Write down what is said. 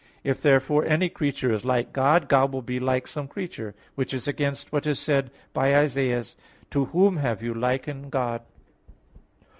If therefore any creature is like God, God will be like some creature, which is against what is said by Isaias: "To whom have you likened God?"